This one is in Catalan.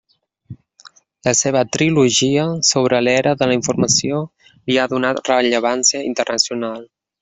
La seva trilogia sobre l'era de la informació li ha donat rellevància internacional.